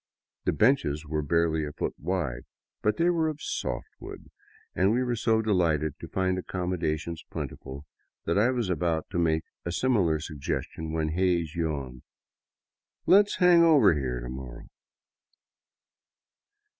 The benches were barely a foot wide, but they were of soft wood, and we were so delighted to find accommodations plentiful that I was about to make a similar suggestion when Hays yawned: *' Let 's hang over here to morrow."